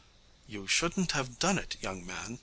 'You shouldn't have done it, young man.